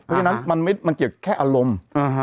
เพราะฉะนั้นมันเกี่ยวแค่อารมณ์